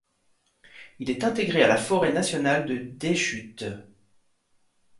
Il est intégré à la forêt nationale de Deschutes.